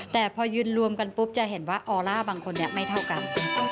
แต่พอยืนรวมกันปุ๊บจะเห็นว่าออร่าบางคนนี้ไม่เท่ากัน